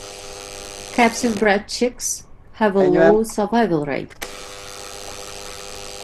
Captive-bred chicks have a low survival rate.